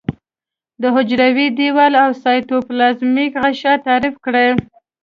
د حجروي دیوال او سایتوپلازمیک غشا تعریف کړي.